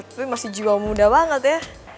tapi masih jiwa muda banget ya